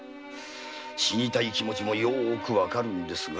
死にたい気持ちもよくわかるんですが。